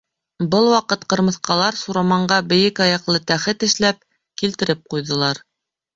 Был ваҡыт ҡырмыҫҡалар Сураманға бейек аяҡлы тәхет эшләп, килтереп ҡуйҙылар.